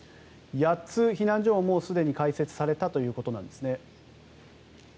８つ、避難所ももうすでに開設されたということですね。